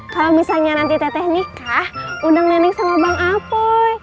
kalau misalnya nanti teteh nikah udah neneng sama bang apoy